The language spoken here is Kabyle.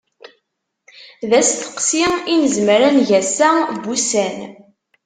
D asteqsi i nezmer ad neg ass-a n wussan.